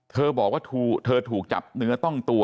เธอบอกว่าเธอถูกจับเนื้อต้องตัว